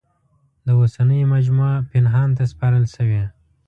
دا اوسنۍ مجموعه پنهان ته سپارل شوې.